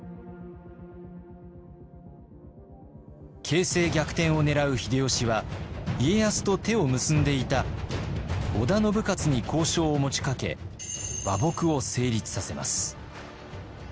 形勢逆転を狙う秀吉は家康と手を結んでいた織田信雄に交渉を持ちかけ和睦を成立させます。